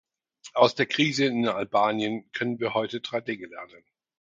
Aus der Krise in Albanien können wir heute drei Dinge lernen.